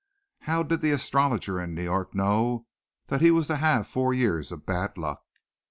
How did the astrologer in New York know that he was to have four years of bad luck?